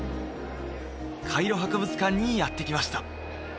カイロ博物館にやって来ました